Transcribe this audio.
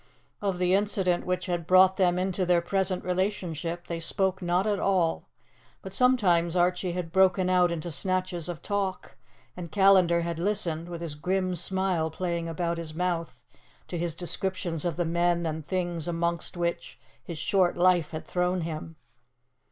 Of the incident which had brought them into their present relationship, they spoke not at all; but sometimes Archie had broken out into snatches of talk, and Callandar had listened, with his grim smile playing about his mouth, to his descriptions of the men and things amongst which his short life had thrown him.